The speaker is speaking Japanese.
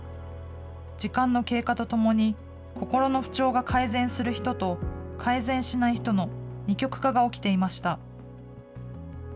時間の経過とともに、心の不調が改善する人と、改善しない人の二極化が起きていました。